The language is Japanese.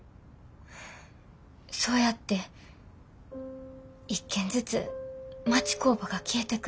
そうやって１軒ずつ町工場が消えてく。